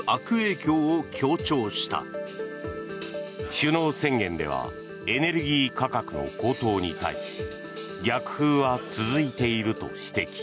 首脳宣言ではエネルギー価格の高騰に対し逆風は続いていると指摘。